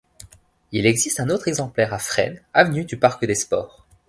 Il existe un autre exemplaire à Fresnes, avenue du Parc-des-Sports.